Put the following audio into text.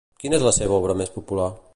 Quina és la seva obra més popular?